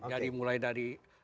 jadi mulai dari